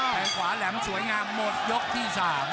แต่งขวาแหลมสวยงามหมดยกที่๓